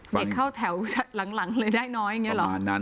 เข้าแถวหลังเลยได้น้อยอย่างนี้เหรอ